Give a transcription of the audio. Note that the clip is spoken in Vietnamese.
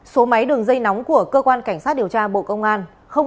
số máy đường dây nóng của cơ quan cảnh sát điều tra bộ công an